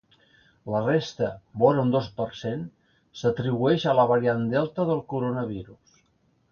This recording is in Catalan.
La resta, vora un dos per cent, s’atribueix a la variant delta del coronavirus.